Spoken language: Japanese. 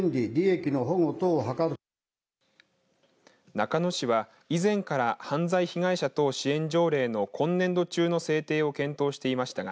中野市は以前から犯罪被害者等支援条例の今年度中の制定を検討していましたが